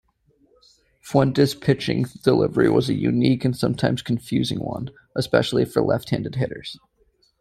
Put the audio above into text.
Fuentes' pitching delivery was a unique and sometimes confusing one, especially for left-handed hitters.